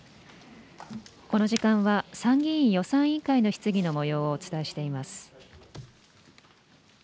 この時間は参議院予算委員会の質疑のもようをお伝えしています。